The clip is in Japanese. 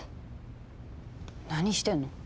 何してんの？